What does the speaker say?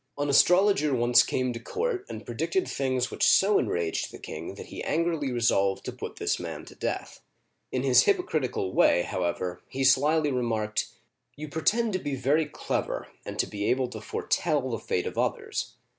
An astrologer once came to court and predicted things which so enraged the king that he angrily resolved to put this man to death. In his hypocritical way, however, he slyly remarked: " You pretend to be very clever, and to be able to foretell the fate of others.